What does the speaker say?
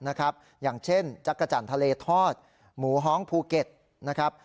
หลายจังหวัดนะครับอย่างเช่นจักรจันทะเลทอดหมูฮ้องภูเก็ตนะครับ